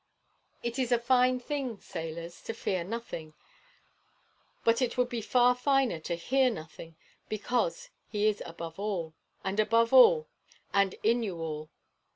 It is a fine thing, sailors, to fear nothing; but it would be far finer to fear nothing because he is above all, and over all, and in you all.